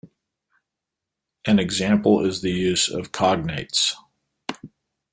An example is the use of cognates.